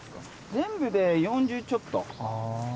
全部で４０ちょっと。